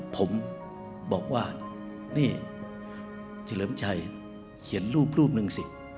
ผมบอกว่านี่เฉลิมชัยเขียนรูปรูปหนึ่งสิ